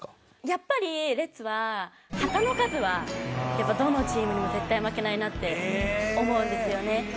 やっぱりレッズは旗の数はやっぱどのチームにも絶対負けないなって思うんですよね。